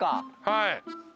はい。